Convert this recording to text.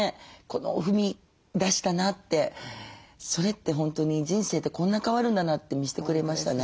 踏み出したなってそれって本当に人生ってこんな変わるんだなって見せてくれましたね。